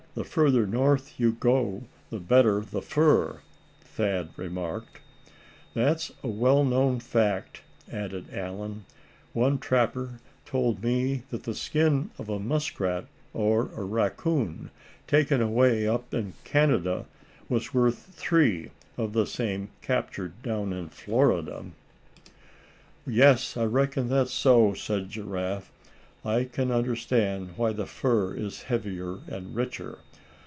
The further north you go the better the fur," Thad remarked. "That's a well known fact," added Allan. "One trapper told me that the skin of a muskrat or a raccoon, taken away up in Canada, was worth three of the same captured down in Florida." "Yes, I reckon that's so," said Giraffe, "I can understand why the fur is heavier and richer.